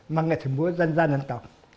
mà nghệ thuật múa dân gian dân tộc